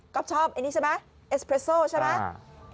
ก็ชอบอันนี้ใช่ไหมเอสเรสโซใช่ไหม